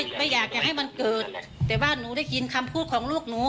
ที่แรกฉันก็ไม่อยากให้มันเกิดแต่ว่าหนูได้ยินคำพูดของลูกหนู